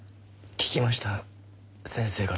聞きました先生から。